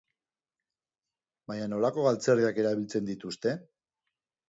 Baina nolako galtzerdiak erabiltzen dituzte?